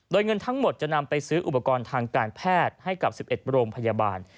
โดยเงินทั้งหมดจะนำไปซื้ออุปกรณ์ทางการแพทย์ให้กับ๑๑โรงพยาบาล